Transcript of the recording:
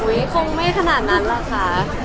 คงไม่ขนาดนั้นหรอกค่ะ